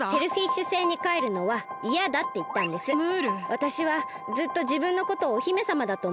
わたしはずっとじぶんのことをお姫さまだとおもってました。